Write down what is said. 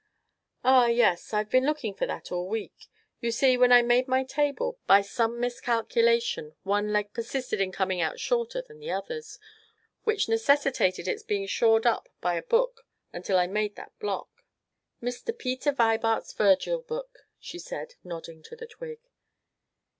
"Ah yes, I've been looking for that all the week. You see, when I made my table, by some miscalculation, one leg persisted in coming out shorter than the others, which necessitated its being shored up by a book until I made that block." "Mr. Peter Vibart's Virgil book!" she said, nodding to the twig.